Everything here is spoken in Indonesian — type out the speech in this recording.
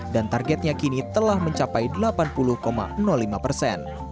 dan targetnya kini telah mencapai delapan puluh lima persen